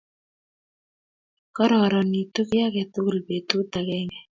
kororonitu kiy agetugul betut agenke